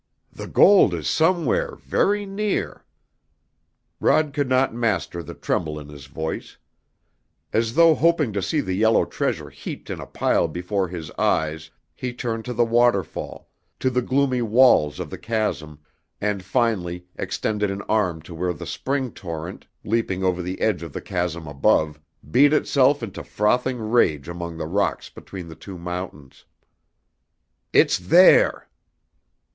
"The gold is somewhere very near " Rod could not master the tremble in his voice. As though hoping to see the yellow treasure heaped in a pile before his eyes he turned to the waterfall, to the gloomy walls of the chasm, and finally extended an arm to where the spring torrent, leaping over the edge of the chasm above, beat itself into frothing rage among the rocks between the two mountains. "It's there!"